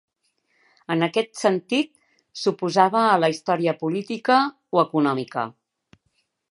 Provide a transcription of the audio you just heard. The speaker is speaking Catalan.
En aquest sentit, s'oposava a la història política o econòmica.